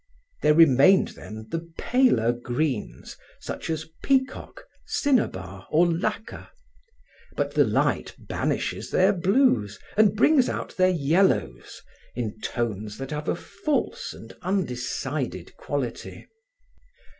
There remained, then, the paler greens, such as peacock, cinnabar or lacquer, but the light banishes their blues and brings out their yellows in tones that have a false and undecided quality.